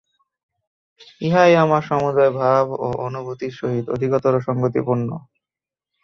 ইহাই আমার সমুদয় ভাব ও অনুভূতির সহিত অধিকতর সঙ্গতিপূর্ণ।